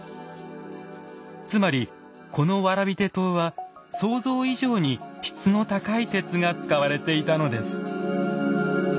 つまりこの蕨手刀は想像以上に質の高い鉄が使われていたのです。